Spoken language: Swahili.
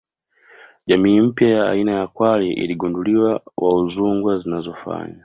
Jamii mpya ya aina ya kwale iligunduliwa wa Udzungwa zinazofanya